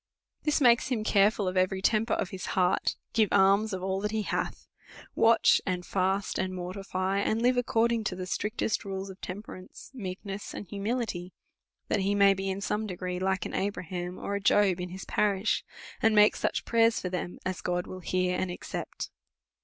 This makes him careful of every temper of his heart, give alms of all that he hath, watch, and fast, and mortify, and live according to the strictest rules of temperance, meekness, and humility, that he may be in some degree like an Abraham, or a Job, in his parish, and make such prayers for them as God will hear and accept.